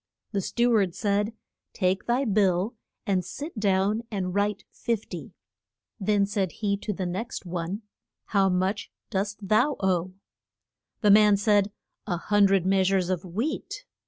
The stew ard said, Take thy bill, and sit down and write fif ty. Then said he to the next one, How much dost thou owe? The man said, A hun dred mea sures of wheat.